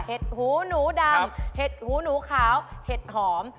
หูหนูดำเห็ดหูหนูขาวเห็ดหอม